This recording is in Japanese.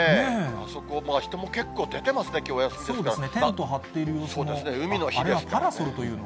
あそこ、人も結構出てますね、きょう、お休みですからね。